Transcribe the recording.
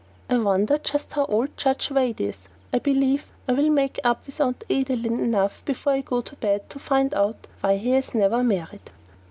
I wonder just how old Judge Wade is? I believe I will make up with Aunt Adeline enough before I go to bed to find out why he has never married.